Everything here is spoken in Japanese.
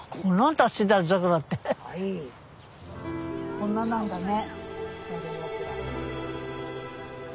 こんななんだね。